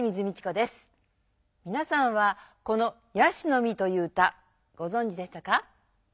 みなさんはこの「椰子の実」という歌ごぞんじでしたか？